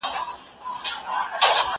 زه به سړو ته خواړه ورکړي وي!؟